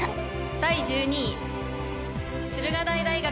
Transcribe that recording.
第１２位、駿河台大学。